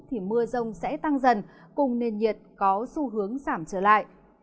thì mưa rông sẽ tăng dần cùng nền nhiệt có xu hướng giảm trở lại